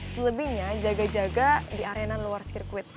selebihnya jaga jaga di arena luar sirkuit